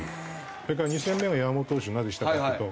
それから２戦目は山本投手になぜしたかというと。